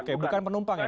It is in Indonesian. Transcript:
oke bukan penumpang ya pak